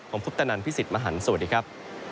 ผมคุปตะนันพี่สิทธิ์มหันฯสวัสดีครับ